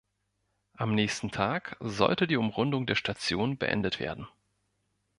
Am nächsten Tag sollte die Umrundung der Station beendet werden.